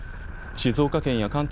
静岡県や関東